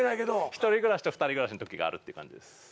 １人暮らしと２人暮らしのときがあるって感じです。